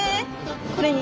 これに？